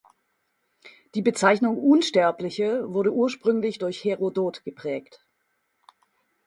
Die Bezeichnung „Unsterbliche“ wurde ursprünglich durch Herodot geprägt.